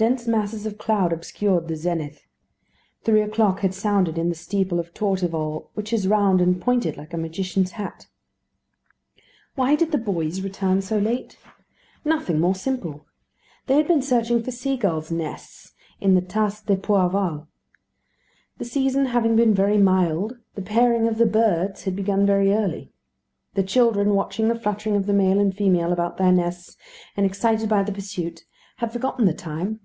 Dense masses of cloud obscured the zenith. Three o'clock had sounded in the steeple of Torteval which is round and pointed like a magician's hat. Why did the boys return so late? Nothing more simple. They had been searching for sea gulls' nests in the Tas de Pois d'Aval. The season having been very mild, the pairing of the birds had begun very early. The children watching the fluttering of the male and female about their nests, and excited by the pursuit, had forgotten the time.